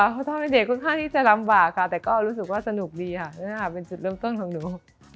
เขาทำให้เด็กค่อนข้างที่จะลำบากค่ะแต่ก็รู้สึกว่าสนุกดีค่ะเป็นจุดเริ่มต้นของหนู